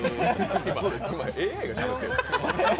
ＡＩがしゃべってるの？